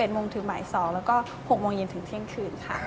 ๑๑โมงถึงหมาย๒แล้วก็๖โมงถึงเที่ยงคืนค่ะ